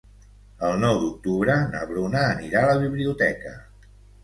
El nou d'octubre na Bruna anirà a la biblioteca.